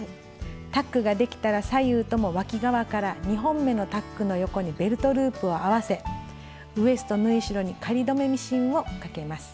タックができたら左右ともわき側から２本目のタックの横にベルトループを合わせウエスト縫い代に仮留めミシンをかけます。